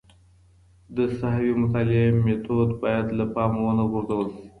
د ساحوي مطالعې میتود باید له پامه ونه غورځول سي.